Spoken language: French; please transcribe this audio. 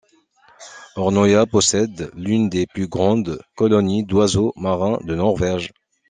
Hornøya possède l'une des plus grandes colonies d'oiseaux marins de Norvège.